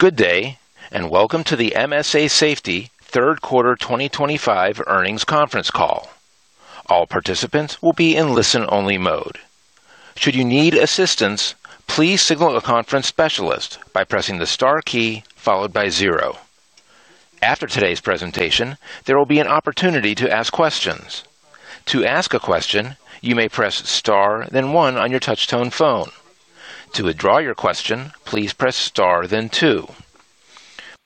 Good day and welcome to the MSA Safety third quarter 2025 earnings conference call. All participants will be in listen-only mode. Should you need assistance, please signal a conference specialist by pressing the star key followed by zero. After today's presentation, there will be an opportunity to ask questions. To ask a question, you may press star, then one on your touch-tone phone. To withdraw your question, please press star, then two.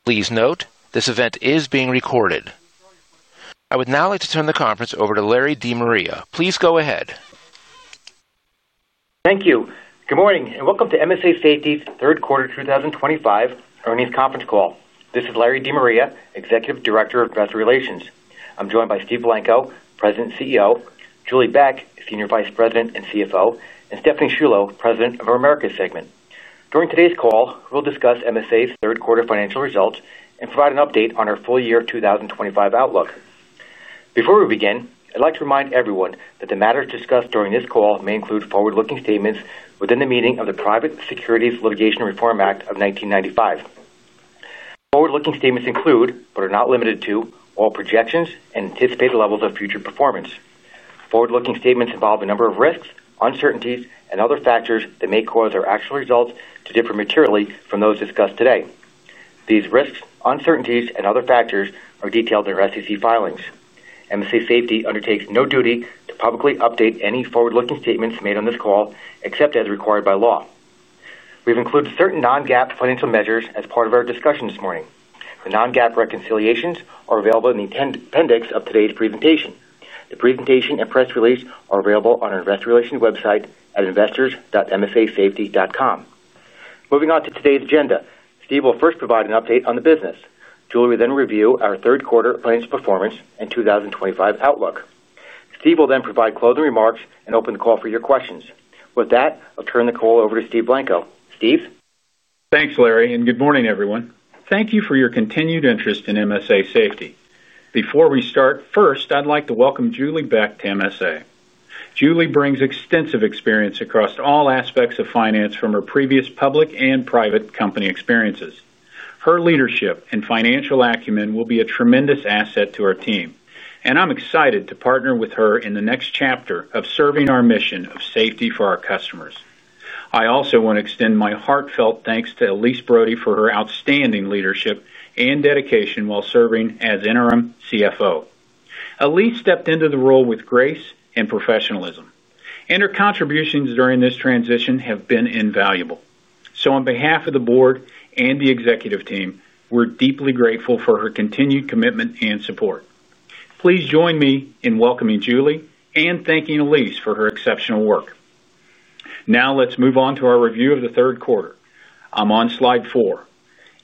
Please note, this event is being recorded. I would now like to turn the conference over to Larry De Maria. Please go ahead. Thank you. Good morning and welcome to MSA Safety's third quarter 2025 earnings conference call. This is Larry De Maria, Executive Director of Investor Relations. I'm joined by Steve Blanco, President and CEO, Julie Beck, Senior Vice President and CFO, and Stephanie Sciullo, President of our Americas segment. During today's call, we'll discuss MSA's third quarter financial results and provide an update on our full year 2025 outlook. Before we begin, I'd like to remind everyone that the matters discussed during this call may include forward-looking statements within the meaning of the Private Securities Litigation Reform Act of 1995. Forward-looking statements include, but are not limited to, all projections and anticipated levels of future performance. Forward-looking statements involve a number of risks, uncertainties, and other factors that may cause our actual results to differ materially from those discussed today. These risks, uncertainties, and other factors are detailed in our SEC filings. MSA Safety undertakes no duty to publicly update any forward-looking statements made on this call except as required by law. We've included certain non-GAAP financial measures as part of our discussion this morning. The non-GAAP reconciliations are available in the appendix of today's presentation. The presentation and press release are available on our Investor Relations website at investors.msasafety.com. Moving on to today's agenda, Steve will first provide an update on the business. Julie will then review our third quarter financial performance and 2025 outlook. Steve will then provide closing remarks and open the call for your questions. With that, I'll turn the call over to Steve Blanco. Steve? Thanks, Larry, and good morning, everyone. Thank you for your continued interest in MSA Safety. Before we start, first, I'd like to welcome Julie Beck to MSA. Julie brings extensive experience across all aspects of finance from her previous public and private company experiences. Her leadership and financial acumen will be a tremendous asset to our team, and I'm excited to partner with her in the next chapter of serving our mission of safety for our customers. I also want to extend my heartfelt thanks to Elyse Brody for her outstanding leadership and dedication while serving as Interim CFO. Elyse stepped into the role with grace and professionalism, and her contributions during this transition have been invaluable. On behalf of the board and the executive team, we're deeply grateful for her continued commitment and support. Please join me in welcoming Julie and thanking Elyse for her exceptional work. Now, let's move on to our review of the third quarter. I'm on slide four.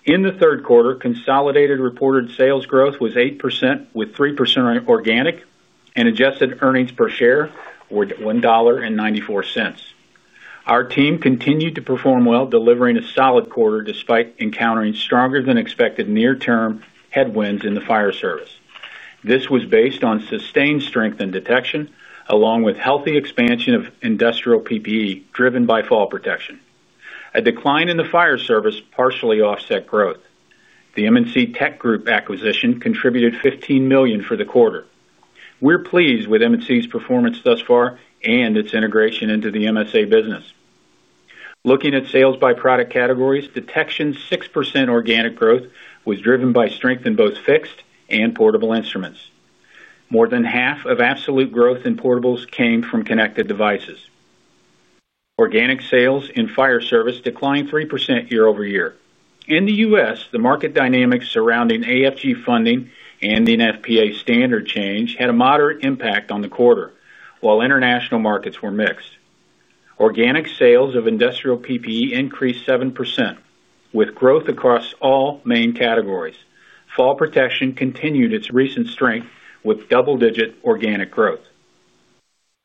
In the third quarter, consolidated reported sales growth was 8%, with 3% organic, and adjusted earnings per share were $1.94. Our team continued to perform well, delivering a solid quarter despite encountering stronger than expected near-term headwinds in the fire service. This was based on sustained strength in detection, along with healthy expansion of industrial PPE driven by fall protection. A decline in the fire service partially offset growth. The M&C Tech Group acquisition contributed $15 million for the quarter. We're pleased with M&C's performance thus far and its integration into the MSA business. Looking at sales by product categories, detection's 6% organic growth was driven by strength in both fixed and portable instruments. More than half of absolute growth in portables came from connected devices. Organic sales in fire service declined 3% year-over-year. In the U.S., the market dynamics surrounding AFG funding and NFPA standard change had a moderate impact on the quarter, while international markets were mixed. Organic sales of industrial PPE increased 7%, with growth across all main categories. Fall protection continued its recent strength with double-digit organic growth.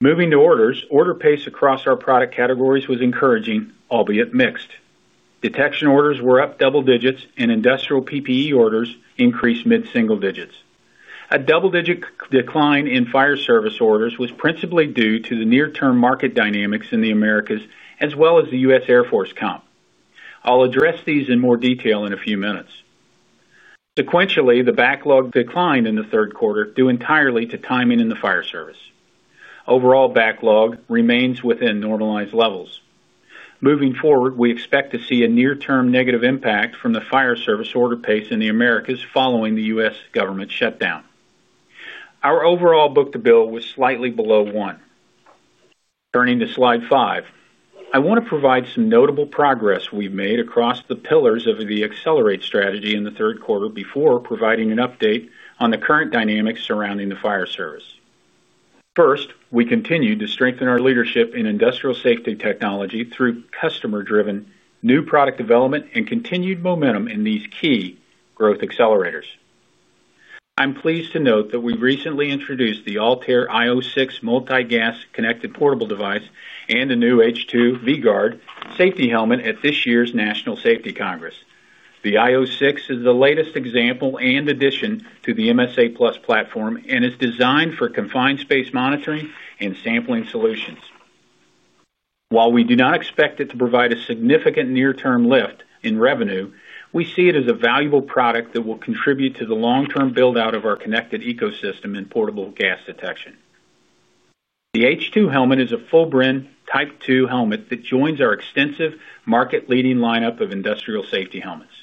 Moving to orders, order pace across our product categories was encouraging, albeit mixed. Detection orders were up double digits, and industrial PPE orders increased mid-single digits. A double-digit decline in fire service orders was principally due to the near-term market dynamics in the Americas, as well as the U.S. Air Force comp. I'll address these in more detail in a few minutes. Sequentially, the backlog declined in the third quarter due entirely to timing in the fire service. Overall backlog remains within normalized levels. Moving forward, we expect to see a near-term negative impact from the fire service order pace in the Americas following the U.S. government shutdown. Our overall book-to-bill was slightly below one. Turning to slide five, I want to provide some notable progress we've made across the pillars of the Accelerate strategy in the third quarter before providing an update on the current dynamics surrounding the fire service. First, we continue to strengthen our leadership in industrial safety technology through customer-driven new product development and continued momentum in these key growth accelerators. I'm pleased to note that we recently introduced the Altair IO6 multi-gas connected portable device and a new H2 V-Gard Safety Helmet at this year's National Safety Congress. The IO6 is the latest example and addition to the MSA+ Connected Worker Platform and is designed for confined space monitoring and sampling solutions. While we do not expect it to provide a significant near-term lift in revenue, we see it as a valuable product that will contribute to the long-term build-out of our connected ecosystem in portable gas detection. The H2 helmet is a full-brand type 2 helmet that joins our extensive market-leading lineup of industrial safety helmets.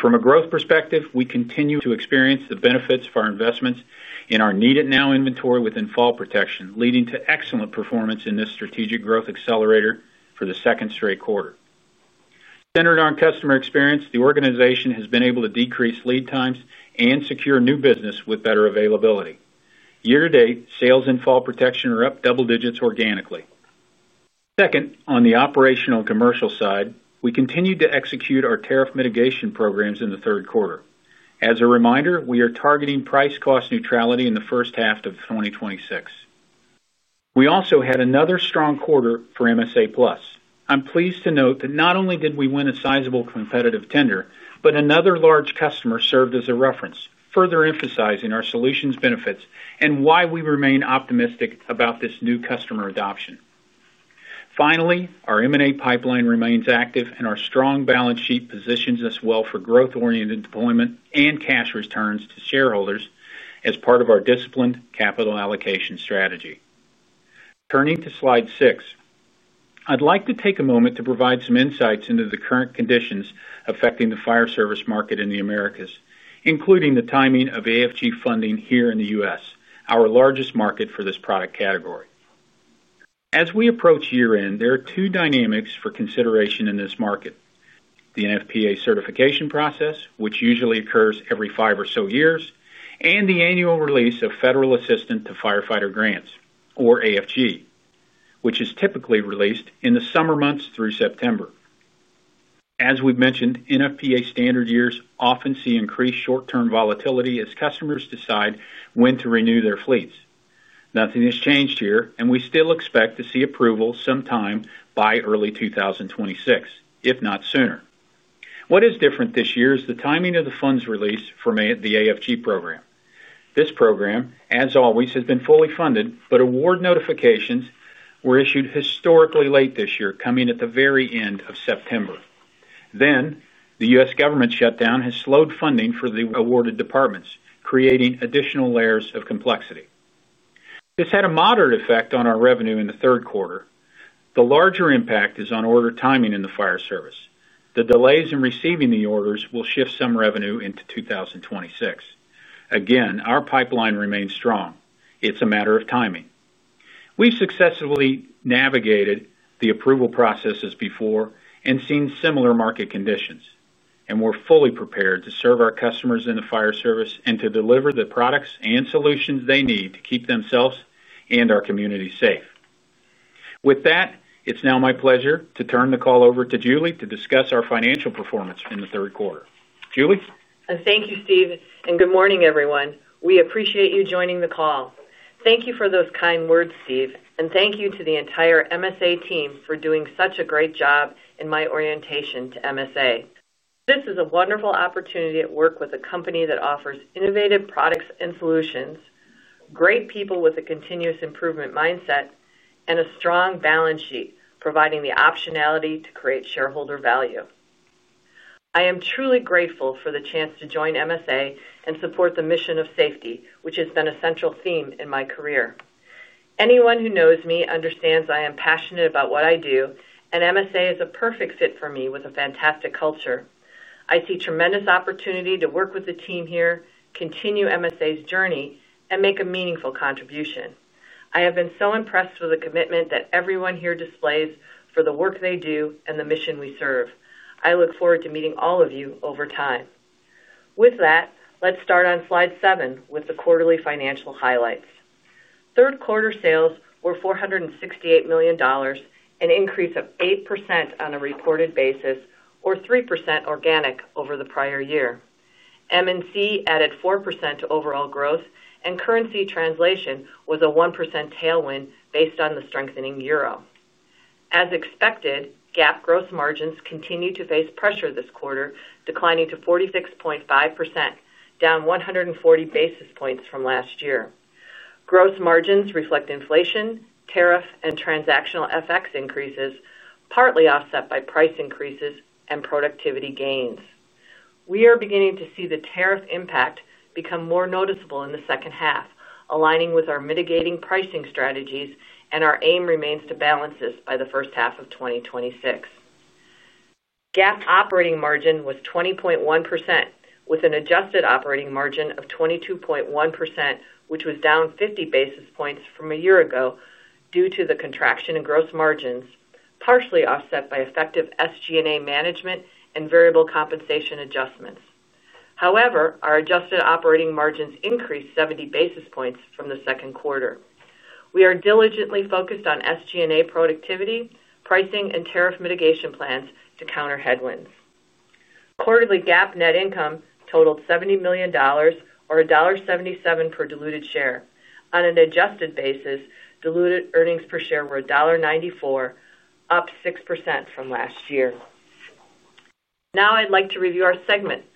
From a growth perspective, we continue to experience the benefits of our investments in our need-it-now inventory within fall protection, leading to excellent performance in this strategic growth accelerator for the second straight quarter. Centered on customer experience, the organization has been able to decrease lead times and secure new business with better availability. Year-to-date, sales in fall protection are up double digits organically. On the operational and commercial side, we continued to execute our tariff mitigation programs in the third quarter. As a reminder, we are targeting price cost neutrality in the first half of 2026. We also had another strong quarter for MSA+. I'm pleased to note that not only did we win a sizable competitive tender, but another large customer served as a reference, further emphasizing our solutions' benefits and why we remain optimistic about this new customer adoption. Finally, our M&A pipeline remains active, and our strong balance sheet positions us well for growth-oriented deployment and cash returns to shareholders as part of our disciplined capital allocation strategy. Turning to slide six, I'd like to take a moment to provide some insights into the current conditions affecting the fire service market in the Americas, including the timing of AFG funding here in the U.S., our largest market for this product category. As we approach year-end, there are two dynamics for consideration in this market: the NFPA certification process, which usually occurs every five or so years, and the annual release of Federal Assistance to Firefighters Grants, or AFG, which is typically released in the summer months through September. As we've mentioned, NFPA standard years often see increased short-term volatility as customers decide when to renew their fleets. Nothing has changed here, and we still expect to see approval sometime by early 2026, if not sooner. What is different this year is the timing of the funds release for the AFG program. This program, as always, has been fully funded, but award notifications were issued historically late this year, coming at the very end of September. The U.S. government shutdown has slowed funding for the awarded departments, creating additional layers of complexity. This had a moderate effect on our revenue in the third quarter. The larger impact is on order timing in the fire service. The delays in receiving the orders will shift some revenue into 2026. Again, our pipeline remains strong. It's a matter of timing. We've successfully navigated the approval processes before and seen similar market conditions, and we're fully prepared to serve our customers in the fire service and to deliver the products and solutions they need to keep themselves and our community safe. With that, it's now my pleasure to turn the call over to Julie to discuss our financial performance in the third quarter. Julie? Thank you, Steve, and good morning, everyone. We appreciate you joining the call. Thank you for those kind words, Steve, and thank you to the entire MSA team for doing such a great job in my orientation to MSA. This is a wonderful opportunity to work with a company that offers innovative products and solutions, great people with a continuous improvement mindset, and a strong balance sheet, providing the optionality to create shareholder value. I am truly grateful for the chance to join MSA and support the mission of safety, which has been a central theme in my career. Anyone who knows me understands I am passionate about what I do, and MSA is a perfect fit for me with a fantastic culture. I see tremendous opportunity to work with the team here, continue MSA's journey, and make a meaningful contribution. I have been so impressed with the commitment that everyone here displays for the work they do and the mission we serve. I look forward to meeting all of you over time. With that, let's start on slide seven with the quarterly financial highlights. Third quarter sales were $468 million, an increase of 8% on a reported basis, or 3% organic over the prior year. M&C added 4% to overall growth, and currency translation was a 1% tailwind based on the strengthening euro. As expected, GAAP gross margins continue to face pressure this quarter, declining to 46.5%, down 140 basis points from last year. Gross margins reflect inflation, tariff, and transactional FX increases, partly offset by price increases and productivity gains. We are beginning to see the tariff impact become more noticeable in the second half, aligning with our mitigating pricing strategies, and our aim remains to balance this by the first half of 2026. GAAP operating margin was 20.1%, with an adjusted operating margin of 22.1%, which was down 50 basis points from a year ago due to the contraction in gross margins, partially offset by effective SG&A management and variable compensation adjustments. However, our adjusted operating margins increased 70 basis points from the second quarter. We are diligently focused on SG&A productivity, pricing, and tariff mitigation plans to counter headwinds. Quarterly GAAP net income totaled $70 million, or $1.77 per diluted share. On an adjusted basis, diluted earnings per share were $1.94, up 6% from last year. Now I'd like to review our segment performance.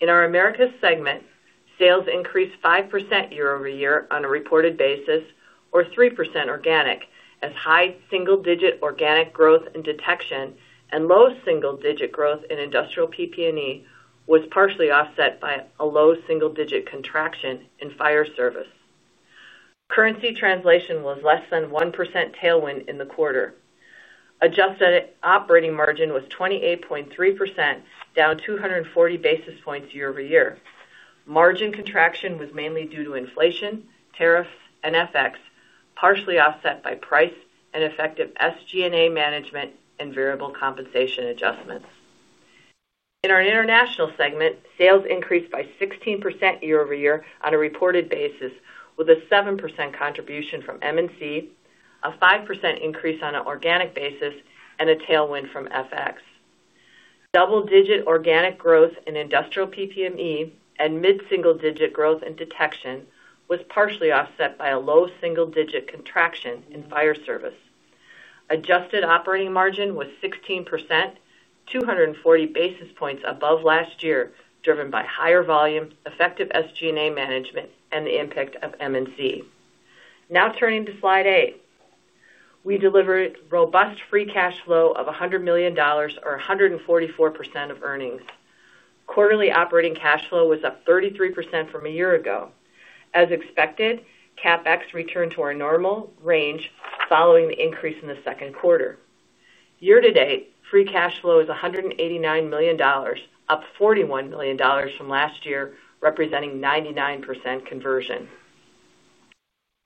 In our Americas segment, sales increased 5% year-over-year on a reported basis, or 3% organic, as high single-digit organic growth in detection and low single-digit growth in industrial PPE was partially offset by a low single-digit contraction in fire service. Currency translation was less than 1% tailwind in the quarter. Adjusted operating margin was 28.3%, down 240 basis points year-over-year. Margin contraction was mainly due to inflation, tariffs, and FX, partially offset by price and effective SG&A management and variable compensation adjustments. In our international segment, sales increased by 16% year-over-year on a reported basis, with a 7% contribution from M&C, a 5% increase on an organic basis, and a tailwind from FX. Double-digit organic growth in industrial PPE and mid-single-digit growth in detection was partially offset by a low single-digit contraction in fire service. Adjusted operating margin was 16%, 240 basis points above last year, driven by higher volume, effective SG&A management, and the impact of M&C. Now turning to slide eight, we delivered robust free cash flow of $100 million, or 144% of earnings. Quarterly operating cash flow was up 33% from a year ago. As expected, CapEx returned to our normal range following the increase in the second quarter. Year-to-date, free cash flow is $189 million, up $41 million from last year, representing 99% conversion.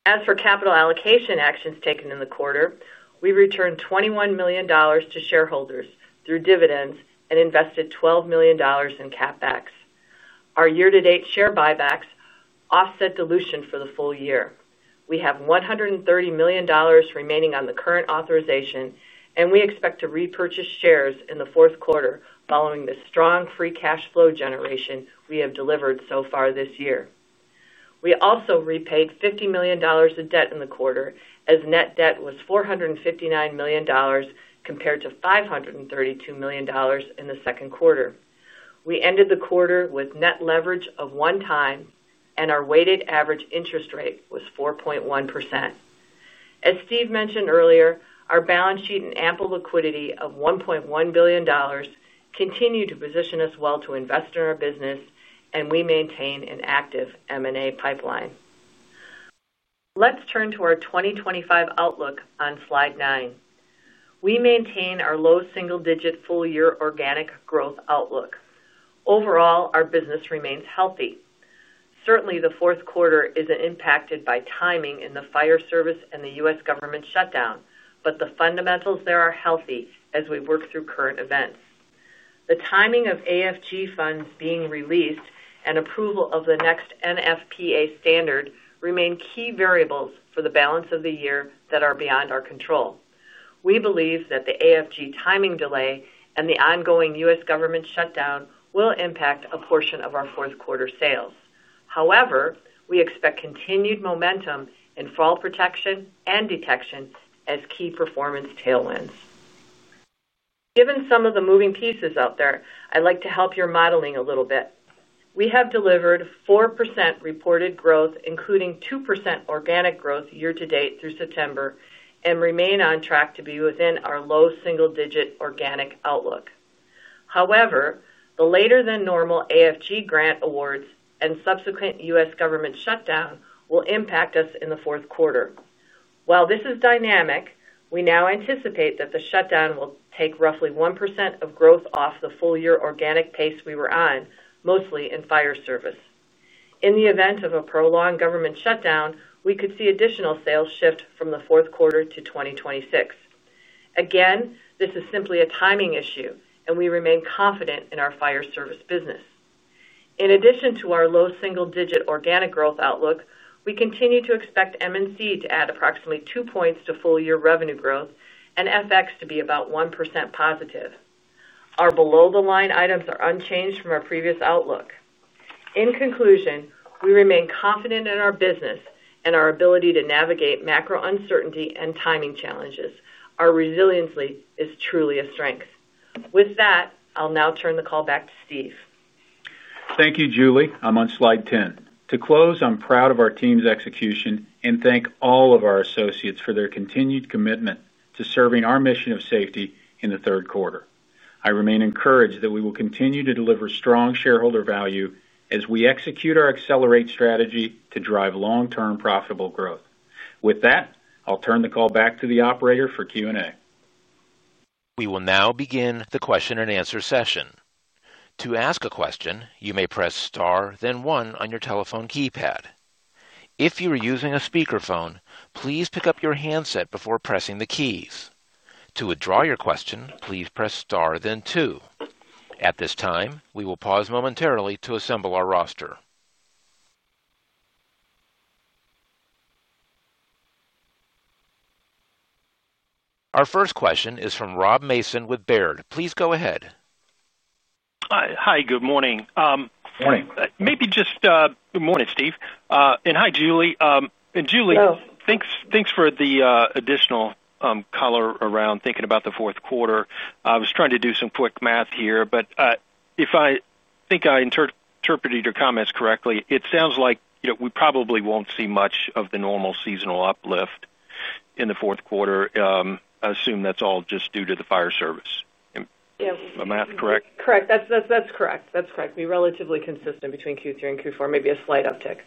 As for capital allocation actions taken in the quarter, we returned $21 million to shareholders through dividends and invested $12 million in CapEx. Our year-to-date share buybacks offset dilution for the full year. We have $130 million remaining on the current authorization, and we expect to repurchase shares in the fourth quarter following the strong free cash flow generation we have delivered so far this year. We also repaid $50 million of debt in the quarter, as net debt was $459 million compared to $532 million in the second quarter. We ended the quarter with net leverage of one time, and our weighted average interest rate was 4.1%. As Steve mentioned earlier, our balance sheet and ample liquidity of $1.1 billion continue to position us well to invest in our business, and we maintain an active M&A pipeline. Let's turn to our 2025 outlook on slide nine. We maintain our low single-digit full-year organic growth outlook. Overall, our business remains healthy. Certainly, the fourth quarter is impacted by timing in the fire service and the U.S. government shutdown, but the fundamentals there are healthy as we work through current events. The timing of AFG funds being released and approval of the next NFPA standard remain key variables for the balance of the year that are beyond our control. We believe that the AFG timing delay and the ongoing U.S. government shutdown will impact a portion of our fourth quarter sales. However, we expect continued momentum in fall protection and detection as key performance tailwinds. Given some of the moving pieces out there, I'd like to help your modeling a little bit. We have delivered 4% reported growth, including 2% organic growth year-to-date through September, and remain on track to be within our low single-digit organic outlook. However, the later-than-normal AFG grant awards and subsequent U.S. government shutdown will impact us in the fourth quarter. While this is dynamic, we now anticipate that the shutdown will take roughly 1% of growth off the full-year organic pace we were on, mostly in fire service. In the event of a prolonged government shutdown, we could see additional sales shift from the fourth quarter to 2026. Again, this is simply a timing issue, and we remain confident in our fire service business. In addition to our low single-digit organic growth outlook, we continue to expect M&C to add approximately two points to full-year revenue growth and FX to be about 1% positive. Our below-the-line items are unchanged from our previous outlook. In conclusion, we remain confident in our business and our ability to navigate macro uncertainty and timing challenges. Our resiliency is truly a strength. With that, I'll now turn the call back to Steve. Thank you, Julie. I'm on slide 10. To close, I'm proud of our team's execution and thank all of our associates for their continued commitment to serving our mission of safety in the third quarter. I remain encouraged that we will continue to deliver strong shareholder value as we execute our Accelerate strategy to drive long-term profitable growth. With that, I'll turn the call back to the operator for Q&A. We will now begin the question-and-answer session. To ask a question, you may press star, then one on your telephone keypad. If you are using a speakerphone, please pick up your handset before pressing the keys. To withdraw your question, please press star, then two. At this time, we will pause momentarily to assemble our roster. Our first question is from Rob Mason with Baird. Please go ahead. Hi, good morning. Morning. Good morning, Steve, and hi, Julie. Julie, thanks for the additional color around thinking about the fourth quarter. I was trying to do some quick math here. If I think I interpreted your comments correctly, it sounds like we probably won't see much of the normal seasonal uplift in the fourth quarter. I assume that's all just due to the fire service. Is my math correct? Correct. That's correct. That's correct. We're relatively consistent between Q3 and Q4, maybe a slight uptick.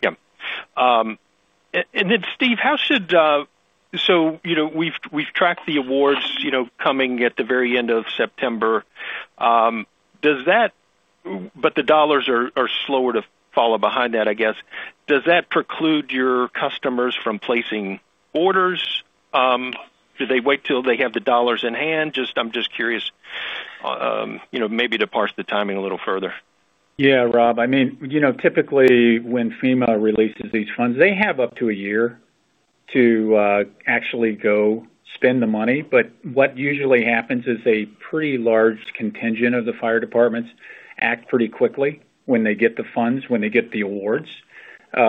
Yeah. Steve, how should, so you know we've tracked the awards coming at the very end of September. Does that, but the dollars are slower to follow behind that, I guess. Does that preclude your customers from placing orders? Do they wait till they have the dollars in hand? I'm just curious, you know, maybe to parse the timing a little further. Yeah, Rob. I mean, you know, typically when FEMA releases these funds, they have up to a year to actually go spend the money. What usually happens is a pretty large contingent of the fire departments act pretty quickly when they get the funds, when they get the awards. They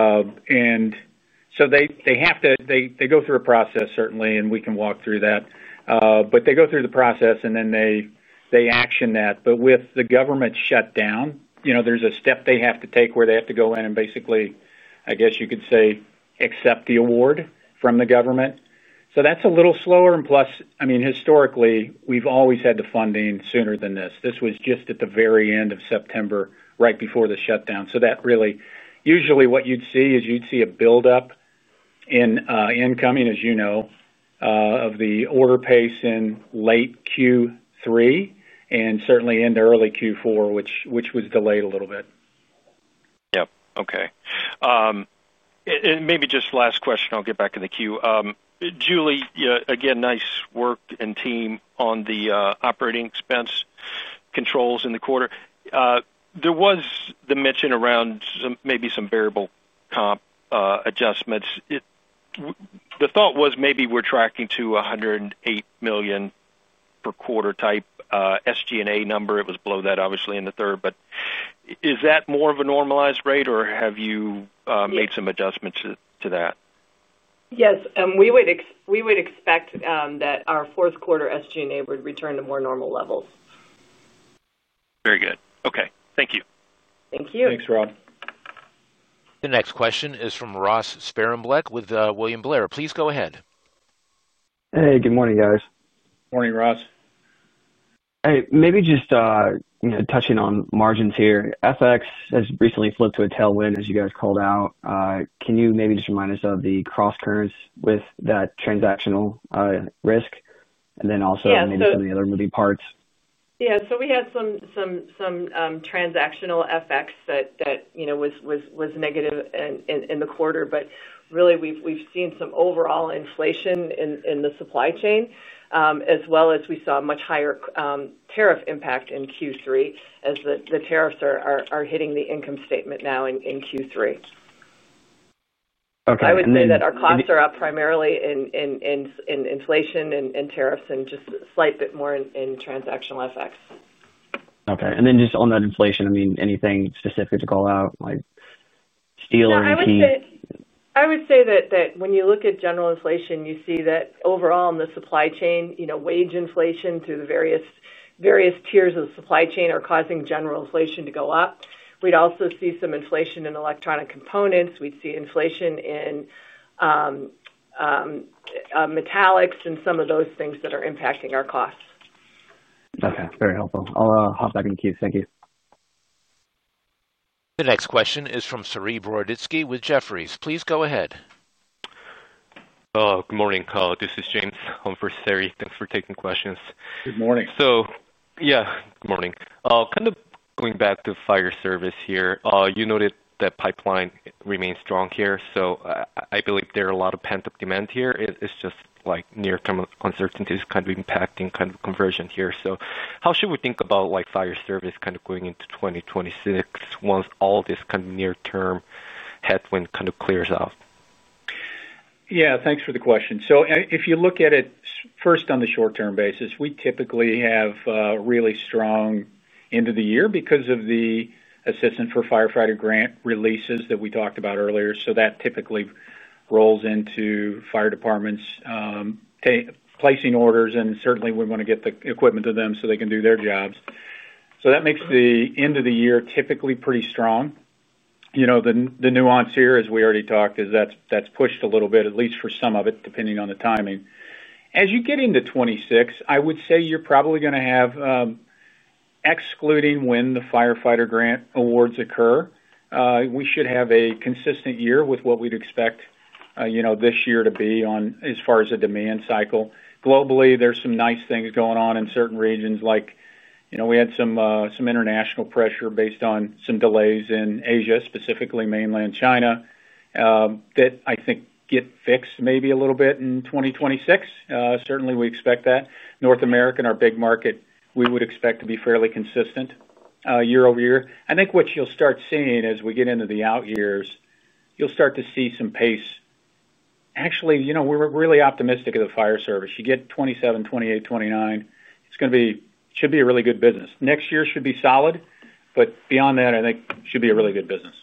have to go through a process certainly, and we can walk through that. They go through the process and then they action that. With the government shutdown, you know, there's a step they have to take where they have to go in and basically, I guess you could say, accept the award from the government. That's a little slower. Plus, I mean, historically, we've always had the funding sooner than this. This was just at the very end of September, right before the shutdown. That really, usually what you'd see is you'd see a build-up in incoming, as you know, of the order pace in late Q3 and certainly into early Q4, which was delayed a little bit. Okay. Maybe just last question, I'll get back in the queue. Julie, again, nice work and team on the operating expense controls in the quarter. There was the mention around maybe some variable comp adjustments. The thought was maybe we're tracking to $108 million per quarter type SG&A number. It was below that, obviously, in the third. Is that more of a normalized rate or have you made some adjustments to that? Yes, we would expect that our fourth quarter SG&A would return to more normal levels. Very good. Okay, thank you. Thank you. Thanks, Rob. The next question is from Ross Sparenblek with William Blair. Please go ahead. Hey, good morning, guys. Morning, Ross. Hey, maybe just touching on margins here. FX has recently flipped to a tailwind, as you guys called out. Can you maybe just remind us of the cross-currents with that transactional risk, and then also maybe some of the other moving parts? We had some transactional FX that was negative in the quarter. We've seen some overall inflation in the supply chain, as well as a much higher tariff impact in Q3, as the tariffs are hitting the income statement now in Q3. Okay. I would say that our costs are up primarily in inflation and tariffs, and just a slight bit more in transactional FX. Okay. On that inflation, is there anything specific to call out, like steel or anything? I would say that when you look at general inflation, you see that overall in the supply chain, wage inflation through the various tiers of the supply chain is causing general inflation to go up. We'd also see some inflation in electronic components, and we'd see inflation in metallics and some of those things that are impacting our costs. Okay, very helpful. I'll hop back in queue. Thank you. The next question is from Saree Broditsky with Jefferies. Please go ahead. Good morning, Carl. This is James on for Saree. Thanks for taking questions. Good morning. Good morning. Kind of going back to fire service here, you noted that pipeline remains strong here. I believe there are a lot of pent-up demand here. It's just like near-term uncertainties kind of impacting kind of conversion here. How should we think about like fire service kind of going into 2026 once all this kind of near-term headwind kind of clears out? Yeah, thanks for the question. If you look at it first on a short-term basis, we typically have a really strong end of the year because of the Assistance to Firefighters Grant releases that we talked about earlier. That typically rolls into fire departments placing orders. We want to get the equipment to them so they can do their jobs. That makes the end of the year typically pretty strong. The nuance here, as we already talked, is that's pushed a little bit, at least for some of it, depending on the timing. As you get into 2026, I would say you're probably going to have, excluding when the Assistance to Firefighters Grant awards occur, we should have a consistent year with what we'd expect this year to be as far as a demand cycle. Globally, there's some nice things going on in certain regions. We had some international pressure based on some delays in Asia, specifically mainland China, that I think get fixed maybe a little bit in 2026. We expect that. North America, our big market, we would expect to be fairly consistent year-over-year. I think what you'll start seeing as we get into the out years, you'll start to see some pace. We're really optimistic of the fire service. You get 2027, 2028, 2029, it should be a really good business. Next year should be solid, but beyond that, I think it should be a really good business.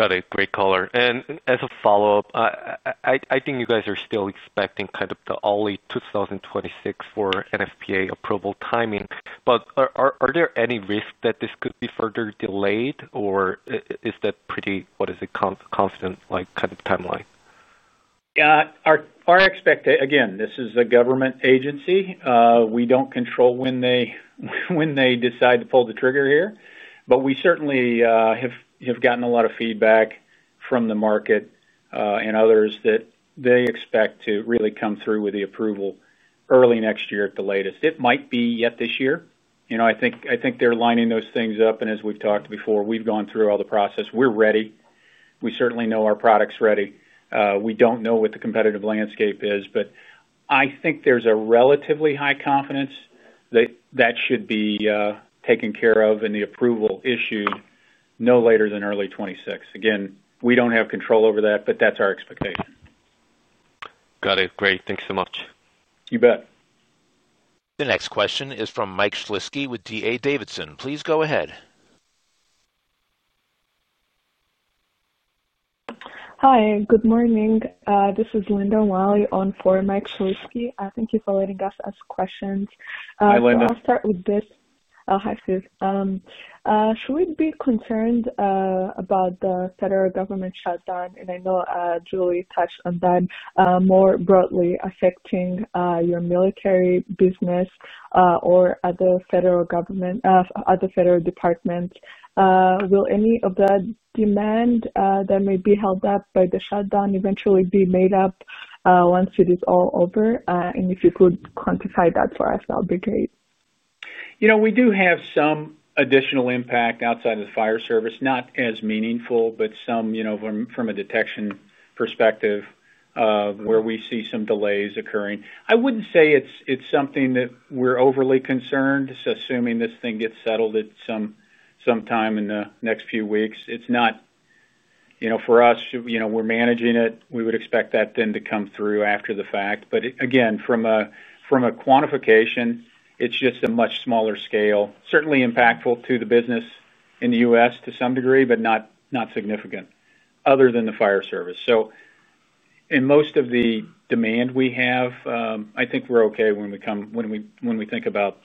Got it. Great caller. As a follow-up, I think you guys are still expecting kind of the early 2026 for NFPA approval timing. Are there any risks that this could be further delayed, or is that pretty, what is it, confident like kind of timeline? Yeah, our expectation, again, this is a government agency. We don't control when they decide to pull the trigger here. We certainly have gotten a lot of feedback from the market and others that they expect to really come through with the approval early next year at the latest. It might be yet this year. I think they're lining those things up. As we've talked before, we've gone through all the process. We're ready. We certainly know our product's ready. We don't know what the competitive landscape is, but I think there's a relatively high confidence that that should be taken care of and the approval issued no later than early 2026. Again, we don't have control over that, but that's our expectation. Got it. Great, thanks so much. You bet. The next question is from Mike Shlisky with D.A. Davidson. Please go ahead. Hi, good morning. This is Linda O'Malley on for Mike Shlisky. Thank you for letting us ask questions. Hi, Linda. I'll start with this. Hi, Steve. Should we be concerned about the federal government shutdown? I know Julie touched on that more broadly affecting your military business or other federal government departments. Will any of the demand that may be held up by the shutdown eventually be made up once it is all over? If you could quantify that for us, that would be great. You know. We do have some additional impact outside of the fire service, not as meaningful, but some from a detection perspective of where we see some delays occurring. I wouldn't say it's something that we're overly concerned. Assuming this thing gets settled at some time in the next few weeks, it's not, for us, we're managing it. We would expect that then to come through after the fact. Again, from a quantification, it's just a much smaller scale. Certainly impactful to the business in the U.S. to some degree, but not significant other than the fire service. In most of the demand we have, I think we're okay when we think about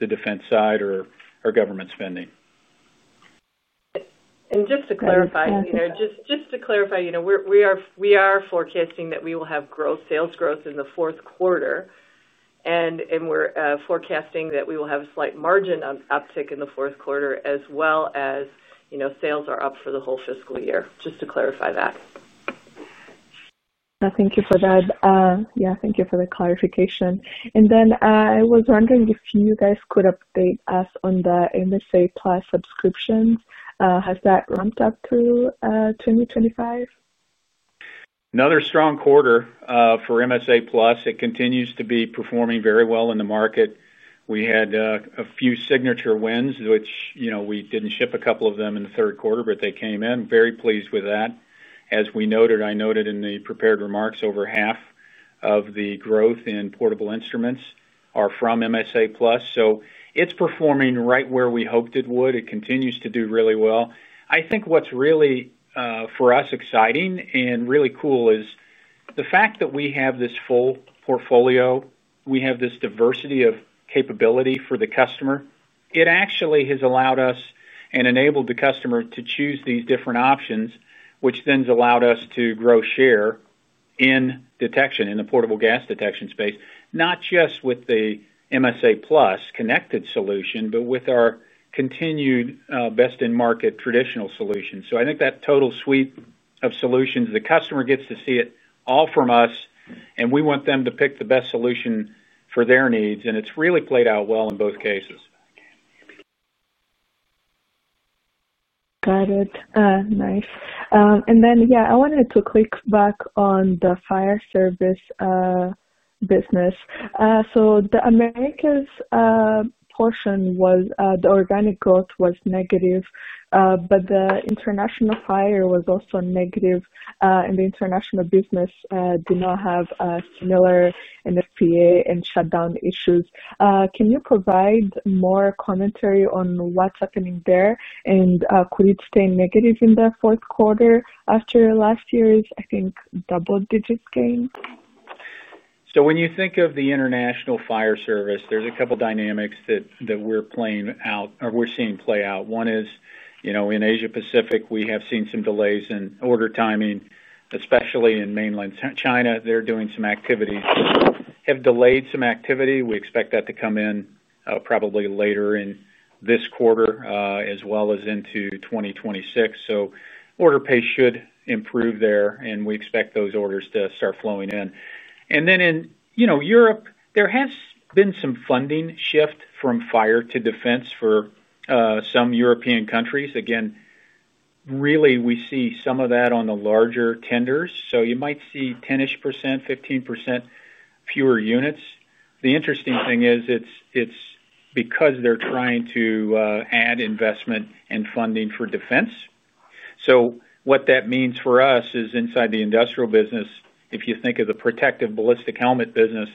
the defense side or government spending. Just to clarify, we are forecasting that we will have growth, sales growth in the fourth quarter. We are forecasting that we will have a slight margin uptick in the fourth quarter as well, as sales are up for the whole fiscal year, just to clarify that. Thank you for that. Thank you for the clarification. I was wondering if you guys could update us on the MSA+ subscriptions. Has that ramped up through 2025? Another strong quarter for MSA+. It continues to be performing very well in the market. We had a few signature wins, which, you know, we didn't ship a couple of them in the third quarter, but they came in. Very pleased with that. As we noted, I noted in the prepared remarks, over half of the growth in portable instruments are from MSA+. It's performing right where we hoped it would. It continues to do really well. I think what's really, for us, exciting and really cool is the fact that we have this full portfolio. We have this diversity of capability for the customer. It actually has allowed us and enabled the customer to choose these different options, which then has allowed us to grow share in detection in the portable gas detection space, not just with the MSA+ Connected solution, but with our continued best-in-market traditional solution. I think that total suite of solutions, the customer gets to see it all from us, and we want them to pick the best solution for their needs. It's really played out well in both cases. Got it. Nice. I wanted to click back on the fire service business. The Americas portion was the organic growth was negative, but the international fire was also negative. The international business did not have similar NFPA and shutdown issues. Can you provide more commentary on what's happening there? Could it stay negative in the fourth quarter after last year's, I think, double-digit gain? When you think of the international fire service, there's a couple of dynamics that we're seeing play out. One is, in Asia-Pacific, we have seen some delays in order timing, especially in mainland China. They're doing some activities that have delayed some activity. We expect that to come in probably later in this quarter as well as into 2026. Order pace should improve there, and we expect those orders to start flowing in. In Europe, there has been some funding shift from fire to defense for some European countries. We see some of that on the larger tenders. You might see 10-ish percent, 15% fewer units. The interesting thing is it's because they're trying to add investment and funding for defense. What that means for us is inside the industrial business, if you think of the protective ballistic helmet business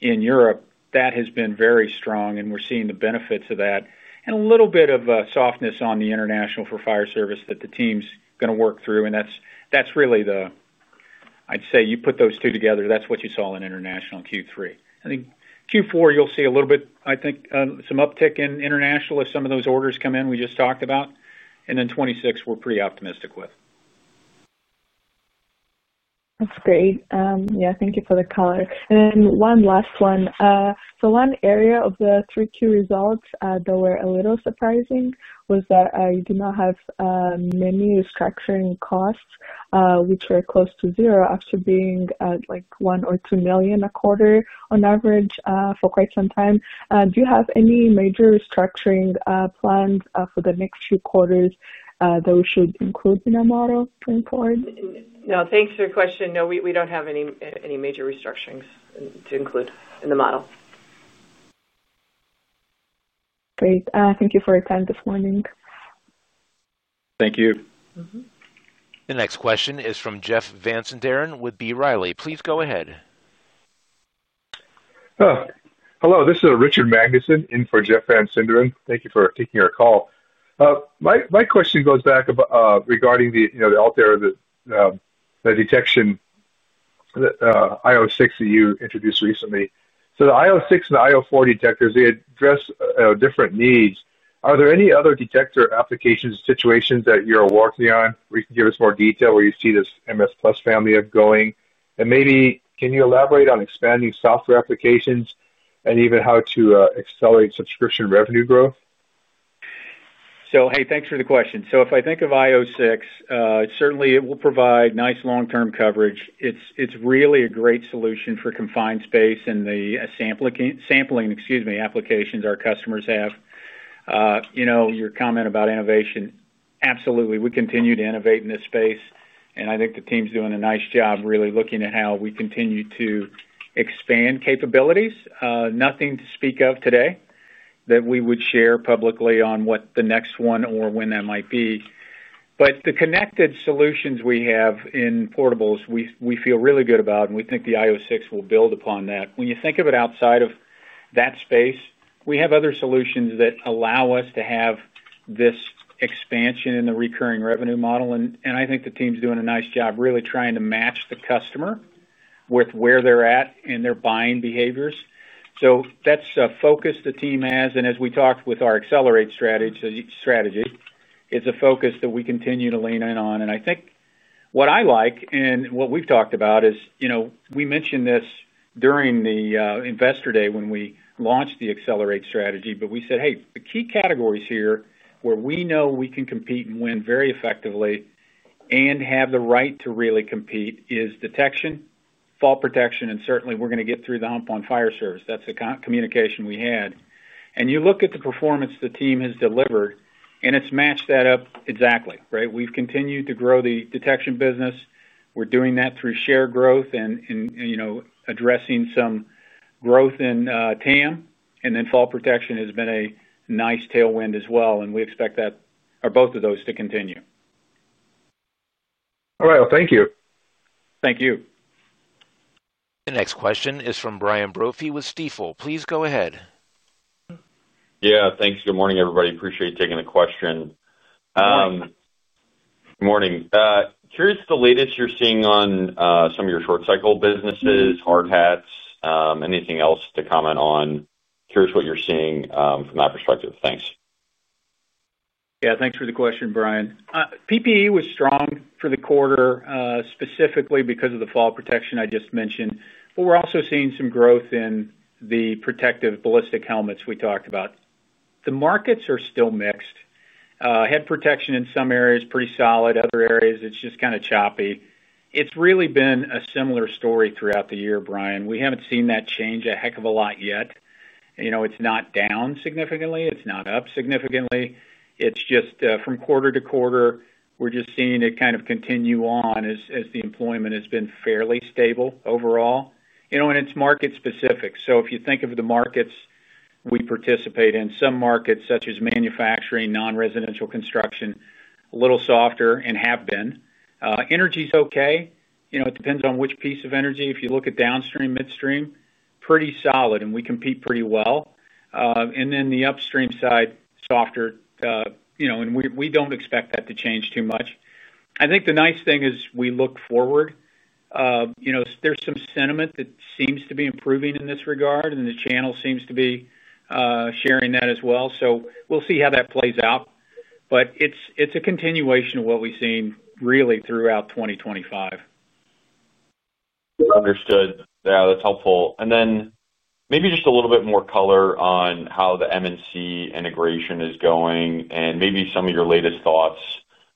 in Europe, that has been very strong, and we're seeing the benefits of that. There's a little bit of softness on the international for fire service that the team's going to work through. You put those two together, that's what you saw in international Q3. I think Q4, you'll see a little bit, I think, some uptick in international as some of those orders come in we just talked about. In 2026, we're pretty optimistic with. That's great. Thank you for the color. One last one. One area of the third-quarter results that was a little surprising was that you do not have many restructuring costs, which were close to zero after being like $1 million or $2 million a quarter on average for quite some time. Do you have any major restructuring plans for the next few quarters that we should include in our model going forward? No, thanks for your question. No, we don't have any major restructurings to include in the model. Great. Thank you for your time this morning. Thank you. The next question is from Jeff Van Sinderen with B. Riley. Please go ahead. Hello. This is Richard Magnusson in for Jeff Van Sinderen. Thank you for taking our call. My question goes back regarding the Altair, the detection IO6 that you introduced recently. The IO6 and the IO4 detectors, they address different needs. Are there any other detector applications or situations that you're working on where you can give us more detail where you see this MSA+ family going? Maybe can you elaborate on expanding software applications and even how to accelerate subscription revenue growth? Thank you for the question. If I think of IO6, certainly it will provide nice long-term coverage. It's really a great solution for confined space and the sampling, excuse me, applications our customers have. Your comment about innovation, absolutely, we continue to innovate in this space. I think the team's doing a nice job really looking at how we continue to expand capabilities. Nothing to speak of today that we would share publicly on what the next one or when that might be. The connected solutions we have in portables, we feel really good about, and we think the Altair IO6 will build upon that. When you think of it outside of that space, we have other solutions that allow us to have this expansion in the recurring revenue model. I think the team's doing a nice job really trying to match the customer with where they're at in their buying behaviors. That's a focus the team has. As we talked with our Accelerate strategy, it's a focus that we continue to lean in on. I think what I like and what we've talked about is, you know, we mentioned this during the Investor Day when we launched the Accelerate strategy, but we said the key categories here where we know we can compete and win very effectively and have the right to really compete is detection, fall protection, and certainly we're going to get through the hump on fire service. That's the communication we had. You look at the performance the team has delivered, and it's matched that up exactly, right? We've continued to grow the detection business. We're doing that through share growth and addressing some growth in TAM. Fall protection has been a nice tailwind as well. We expect that or both of those to continue. All right. Thank you. Thank you. The next question is from Brian Brophy with Stifel. Please go ahead. Yeah, thanks. Good morning, everybody. Appreciate you taking the question. Morning. Morning. Curious the latest you're seeing on some of your short-cycle businesses, hard hats, anything else to comment on? Curious what you're seeing from that perspective. Thanks. Yeah, thanks for the question, Brian. PPE was strong for the quarter, specifically because of the fall protection I just mentioned. We're also seeing some growth in the protective ballistic helmets we talked about. The markets are still mixed. Head protection in some areas is pretty solid. Other areas, it's just kind of choppy. It's really been a similar story throughout the year, Brian. We haven't seen that change a heck of a lot yet. It's not down significantly. It's not up significantly. From quarter to quarter, we're just seeing it kind of continue on as the employment has been fairly stable overall. It's market-specific. If you think of the markets we participate in, some markets such as manufacturing, non-residential construction, a little softer and have been. Energy's okay. It depends on which piece of energy. If you look at downstream, midstream, pretty solid, and we compete pretty well. The upstream side, softer, and we don't expect that to change too much. I think the nice thing is we look forward. There's some sentiment that seems to be improving in this regard, and the channel seems to be sharing that as well. We'll see how that plays out. It's a continuation of what we've seen really throughout 2025. Understood. Yeah, that's helpful. Maybe just a little bit more color on how the M&C integration is going and maybe some of your latest thoughts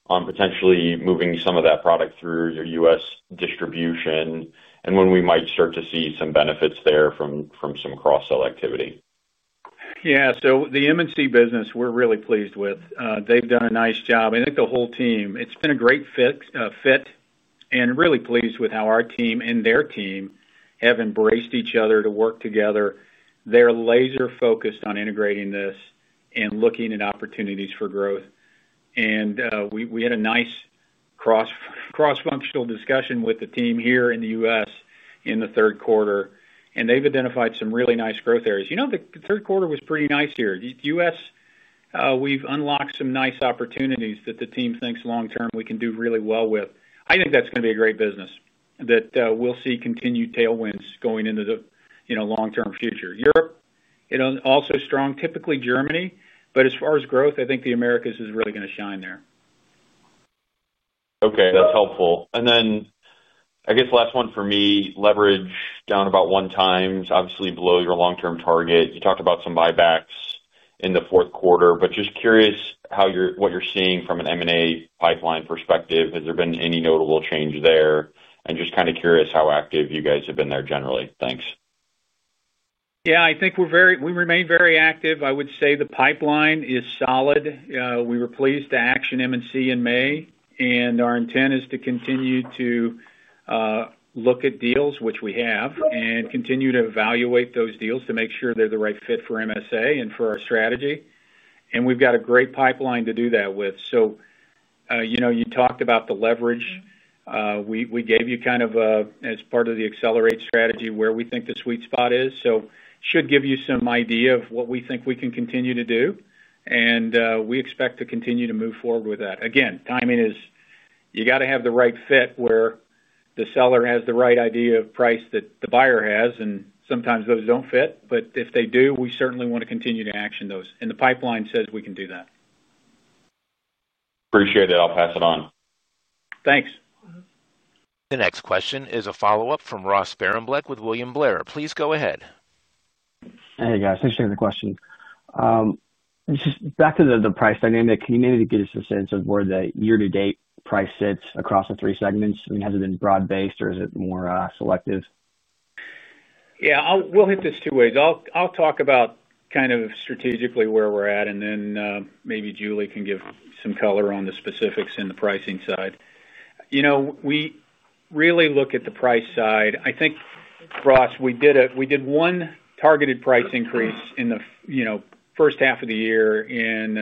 on potentially moving some of that product through your U.S. distribution and when we might start to see some benefits there from some cross-sell activity. Yeah. The M&C business, we're really pleased with. They've done a nice job. I think the whole team, it's been a great fit and really pleased with how our team and their team have embraced each other to work together. They're laser-focused on integrating this and looking at opportunities for growth. We had a nice cross-functional discussion with the team here in the U.S. in the third quarter, and they've identified some really nice growth areas. The third quarter was pretty nice here. The U.S., we've unlocked some nice opportunities that the team thinks long-term we can do really well with. I think that's going to be a great business that we'll see continued tailwinds going into the long-term future. Europe, it also is strong, typically Germany. As far as growth, I think the Americas is really going to shine there. Okay. That's helpful. I guess the last one for me, leverage down about one time, obviously below your long-term target. You talked about some buybacks in the fourth quarter, just curious what you're seeing from an M&A pipeline perspective. Has there been any notable change there? Just kind of curious how active you guys have been there generally. Thanks. Yeah, I think we remain very active. I would say the pipeline is solid. We were pleased to action M&C in May, and our intent is to continue to look at deals, which we have, and continue to evaluate those deals to make sure they're the right fit for MSA Safety and for our strategy. We've got a great pipeline to do that with. You talked about the leverage. We gave you, as part of the Accelerate strategy, where we think the sweet spot is. It should give you some idea of what we think we can continue to do. We expect to continue to move forward with that. Timing is, you have to have the right fit where the seller has the right idea of price that the buyer has, and sometimes those don't fit. If they do, we certainly want to continue to action those. The pipeline says we can do that. Appreciate it. I'll pass it on. Thanks. The next question is a follow-up from Ross Sparenblek with William Blair. Please go ahead. Hey, guys, thanks for the question. Just back to the price dynamic, can you maybe give us a sense of where the year-to-date price sits across the three segments? I mean, has it been broad-based or is it more selective? Yeah, we'll hit this two ways. I'll talk about kind of strategically where we're at, and then maybe Julie can give some color on the specifics in the pricing side. You know, we really look at the price side. I think, Ross, we did one targeted price increase in the first half of the year in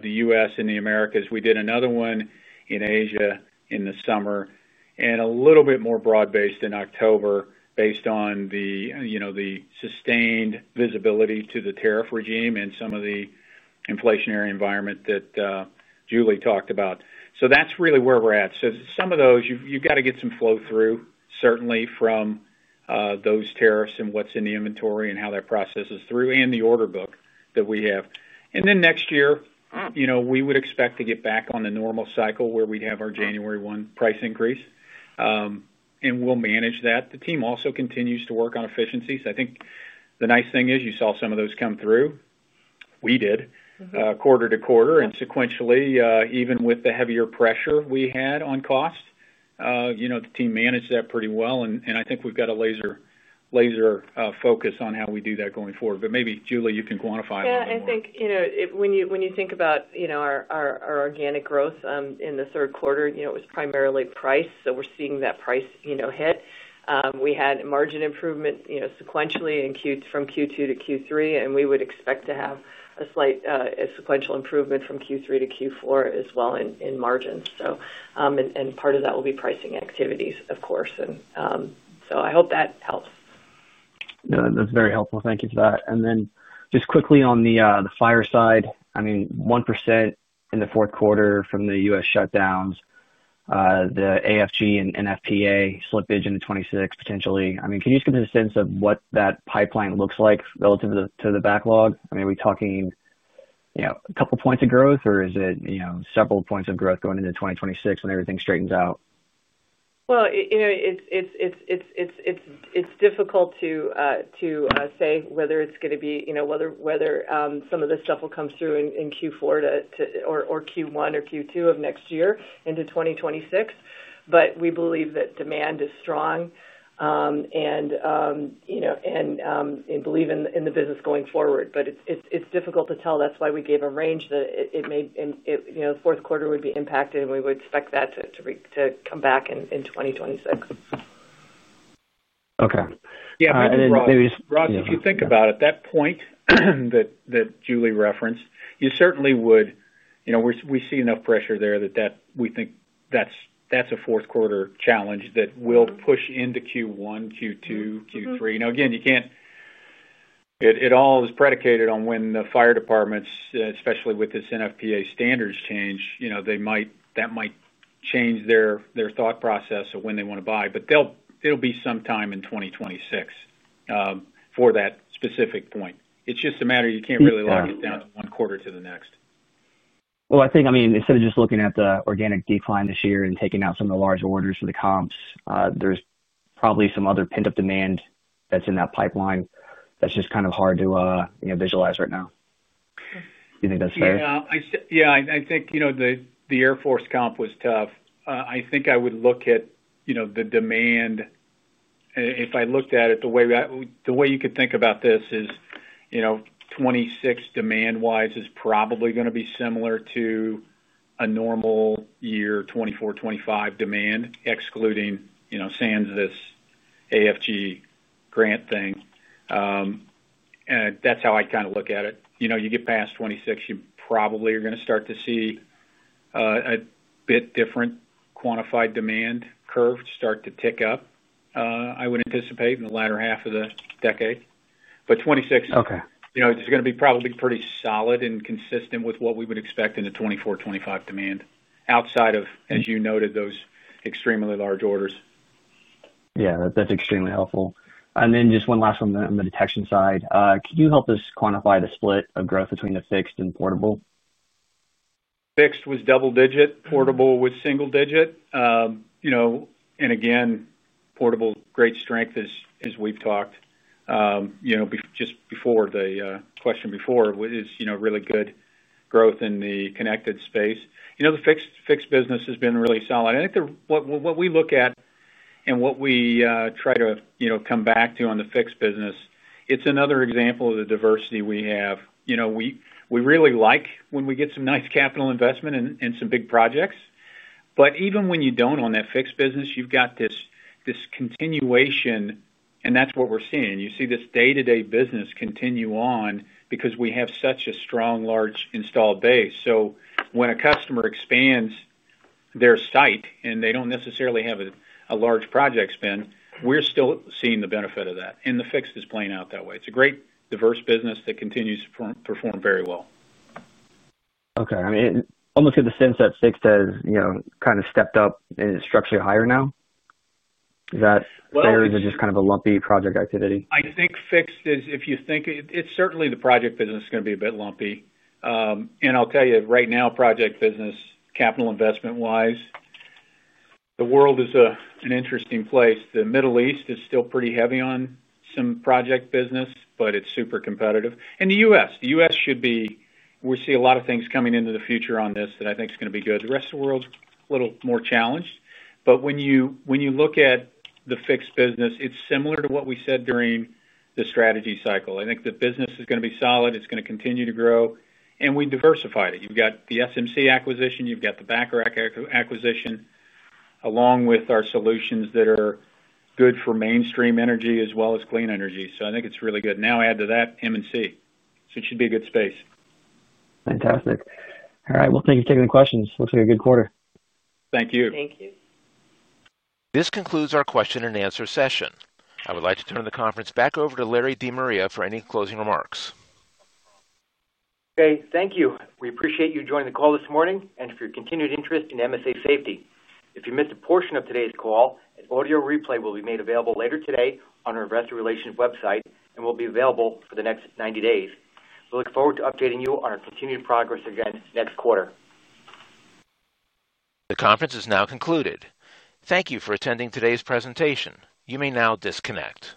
the U.S. and the Americas. We did another one in Asia in the summer and a little bit more broad-based in October, based on the sustained visibility to the tariff regime and some of the inflationary environment that Julie talked about. That's really where we're at. Some of those, you've got to get some flow through, certainly from those tariffs and what's in the inventory and how that processes through and the order book that we have. Next year, you know, we would expect to get back on the normal cycle where we'd have our January 1 price increase, and we'll manage that. The team also continues to work on efficiencies. I think the nice thing is you saw some of those come through. We did quarter to quarter and sequentially, even with the heavier pressure we had on cost, the team managed that pretty well. I think we've got a laser focus on how we do that going forward. Maybe Julie, you can quantify that. I think, you know, when you think about our organic growth in the third quarter, it was primarily price. We're seeing that price hit. We had margin improvement sequentially from Q2 to Q3, and we would expect to have a slight sequential improvement from Q3 to Q4 as well in margins. Part of that will be pricing activities, of course. I hope that helps. No, that's very helpful. Thank you for that. Just quickly on the fire side, I mean, 1% in the fourth quarter from the U.S. shutdowns, the AFG and NFPA slippage into 2026 potentially. Can you just give us a sense of what that pipeline looks like relative to the backlog? Are we talking a couple of points of growth or is it several points of growth going into 2026 when everything straightens out? It's difficult to say whether it's going to be, you know, whether some of this stuff will come through in Q4 or Q1 or Q2 of next year into 2026. We believe that demand is strong and believe in the business going forward. It's difficult to tell. That's why we gave a range that it may, you know, the fourth quarter would be impacted, and we would expect that to come back in 2026. Okay. Yeah. Maybe just, Ross, if you think about it, that point that Julie referenced, you certainly would, you know, we see enough pressure there that we think that's a fourth quarter challenge that will push into Q1, Q2, Q3. Now, again, you can't, it all is predicated on when the fire departments, especially with this NFPA standards change, you know, they might, that might change their thought process of when they want to buy. It'll be sometime in 2026 for that specific point. It's just a matter you can't really lock it down to one quarter to the next. I think, I mean, instead of just looking at the organic decline this year and taking out some of the large orders for the comps, there's probably some other pent-up demand that's in that pipeline that's just kind of hard to visualize right now. Do you think that's fair? Yeah, I think, you know, the Air Force comp was tough. I think I would look at, you know, the demand. If I looked at it, the way you could think about this is, you know, 2026 demand-wise is probably going to be similar to a normal year 2024, 2025 demand, excluding, you know, SANS, this AFG grant thing. That's how I kind of look at it. You get past 2026, you probably are going to start to see a bit different quantified demand curve start to tick up, I would anticipate, in the latter half of the decade. 2026 is going to be probably pretty solid and consistent with what we would expect in the 2024, 2025 demand outside of, as you noted, those extremely large orders. Yeah, that's extremely helpful. Just one last one on the detection side. Could you help us quantify the split of growth between the fixed and portable? Fixed was double-digit, portable was single-digit. Portable's great strength, as we've talked just before the question before, is really good growth in the connected space. The fixed business has been really solid. I think what we look at and what we try to come back to on the fixed business, it's another example of the diversity we have. We really like when we get some nice capital investment and some big projects. Even when you don't own that fixed business, you've got this continuation, and that's what we're seeing. You see this day-to-day business continue on because we have such a strong, large installed base. When a customer expands their site and they don't necessarily have a large project spend, we're still seeing the benefit of that. The fixed is playing out that way. It's a great diverse business that continues to perform very well. Okay. I mean, almost get the sense that fixed has, you know, kind of stepped up and is structurally higher now. Is that fair? Is it just kind of a lumpy project activity? I think fixed is, if you think, it's certainly the project business is going to be a bit lumpy. I'll tell you, right now, project business, capital investment-wise, the world is an interesting place. The Middle East is still pretty heavy on some project business, but it's super competitive. The U.S. should be, we see a lot of things coming into the future on this that I think is going to be good. The rest of the world's a little more challenged. When you look at the fixed business, it's similar to what we said during the strategy cycle. I think the business is going to be solid. It's going to continue to grow. We diversified it. You've got the SMC acquisition. You've got the BACRAC acquisition along with our solutions that are good for mainstream energy as well as clean energy. I think it's really good. Now add to that M&C. It should be a good space. Fantastic. All right. Thank you for taking the questions. Looks like a good quarter. Thank you. Thank you. This concludes our question-and-answer session. I would like to turn the conference back over to Larry De Maria for any closing remarks. Okay. Thank you. We appreciate you joining the call this morning and for your continued interest in MSA Safety. If you missed a portion of today's call, an audio replay will be made available later today on our Investor Relations website and will be available for the next 90 days. We look forward to updating you on our continued progress again next quarter. The conference is now concluded. Thank you for attending today's presentation. You may now disconnect.